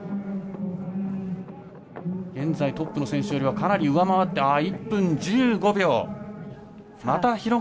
現在トップの選手よりはかなり上回って１分１５秒。